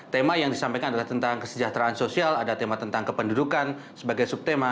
tema yang disampaikan adalah tentang kesejahteraan sosial ada tema tentang kependudukan sebagai subtema